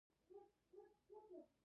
کلي د افغانستان د موسم د بدلون سبب کېږي.